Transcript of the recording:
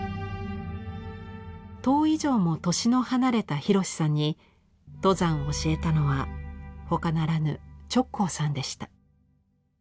十以上も年の離れた洋さんに登山を教えたのは他ならぬ直行さんでした。